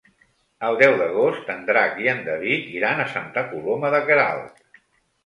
El deu d'agost en Drac i en David iran a Santa Coloma de Queralt.